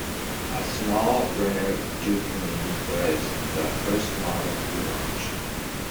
The small Renault Dauphine was the first model to be launched.